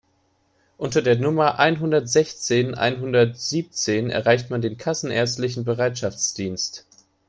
Unter der Nummer einhundertsechzehn einhundertsiebzehn erreicht man den kassenärztlichen Bereitschaftsdienst.